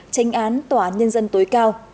tranh án tòa nhân dân tối cao